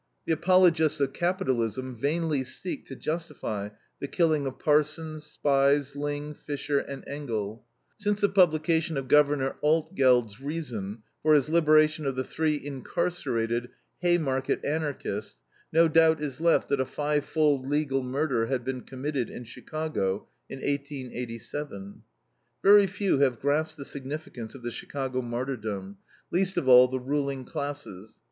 The apologists of capitalism vainly seek to justify the killing of Parsons, Spies, Lingg, Fischer, and Engel. Since the publication of Governor Altgeld's reason for his liberation of the three incarcerated Haymarket Anarchists, no doubt is left that a fivefold legal murder had been committed in Chicago, in 1887. Very few have grasped the significance of the Chicago martyrdom; least of all the ruling classes.